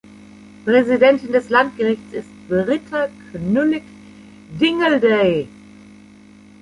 Präsidentin des Landgerichts ist Britta Knüllig-Dingeldey.